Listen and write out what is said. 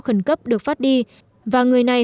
khẩn cấp được phát đi và người này